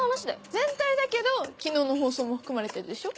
全体だけど昨日の放送も含まれてるでしょ？